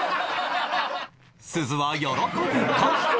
すずは喜ぶか？